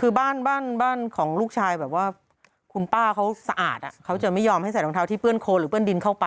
คือบ้านบ้านของลูกชายแบบว่าคุณป้าเขาสะอาดเขาจะไม่ยอมให้ใส่รองเท้าที่เปื้อนโคนหรือเปื้อนดินเข้าไป